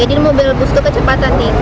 jadi mobil bus itu kecepatan titik